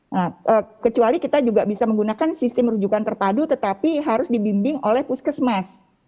nah kecuali kita juga bisa menggunakan sistem rujukan terpadu tetapi harus dibimbing oleh puskesmas